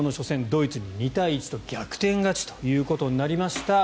ドイツに２対１と逆転勝ちということになりました。